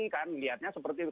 kan melihatnya seperti itu